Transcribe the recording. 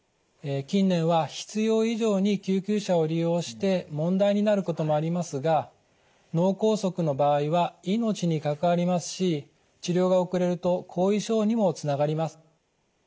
近年は必要以上に救急車を利用して問題になることもありますが脳梗塞の場合は命に関わりますし治療が遅れると後遺症にもつながります。